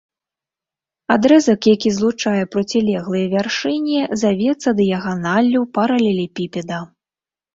Адрэзак, які злучае процілеглыя вяршыні, завецца дыяганаллю паралелепіпеда.